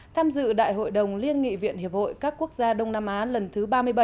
tham dự đại hội đồng liên nghị viện hiệp hội các quốc gia đông nam á lần thứ ba mươi bảy